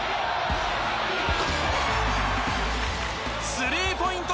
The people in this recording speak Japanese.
スリーポイント